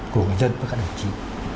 của người dân với các đồng chí